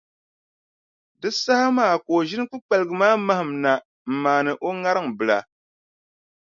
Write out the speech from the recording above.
Di saha maa ka o ʒini kpukpaliga maa mahim na m-maani o ŋariŋ bila.